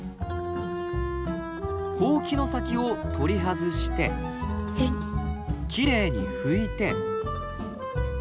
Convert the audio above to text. ホウキの先を取り外してきれいに拭いて。